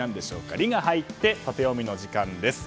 「リ」が入ってタテヨミの時間です。